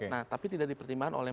jadi ini tidak dipertimbangkan oleh